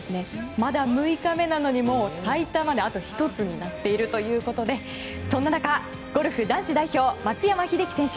まだ６日目なのに、もう最多まであと１つになっているということでそんな中、ゴルフ男子代表松山英樹選手。